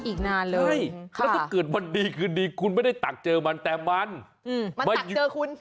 อีกนานเลยใช่แล้วถ้าเกิดมันดีคือดีคุณไม่ได้ตักเจอมันแต่มันมันอยู่มันตักเจอคุณ